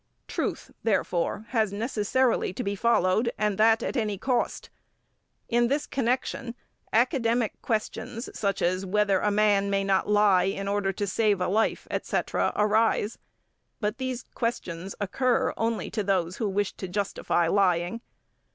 Truth, therefore, has necessarily to be followed, and that at any cost. In this connection, academic questions such as whether a man may not lie in order to save a life, etc. arise, but these questions occur only to those who wish to justify lying.